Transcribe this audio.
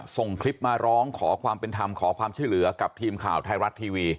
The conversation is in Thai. ส่งคลิปมาร้องขอความเป็นธรรมขอความช่วยเหลือกับทีมข่าวไทยรัฐทีวี